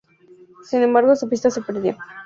Sin embargo su pista se perdió.